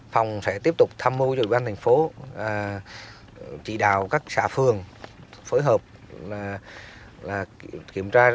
phòng sẽ tiếp tục thăm mô cho ủy ban thành phố chỉ đạo các xã phường phối hợp kiểm tra